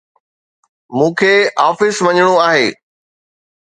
مون کي آفيس وڃڻو آهي